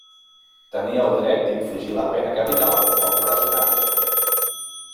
Tenia el dret d'infligir la pena capital o empresonar.